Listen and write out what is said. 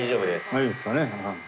大丈夫ですかね。